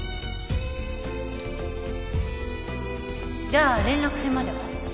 じゃあ連絡船までは？